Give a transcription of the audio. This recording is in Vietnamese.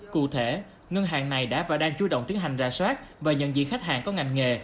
cụ thể ngân hàng này đã và đang chú động tiến hành ra soát và nhận diện khách hàng có ngành nghề